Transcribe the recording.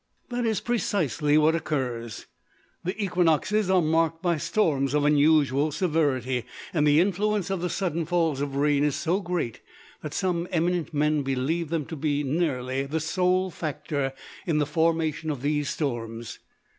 That is precisely what occurs. The equinoxes are marked by storms of unusual severity, and the influence of the sudden falls of rain is so great that some eminent men believe them to be nearly the sole factor in the formation of these storms.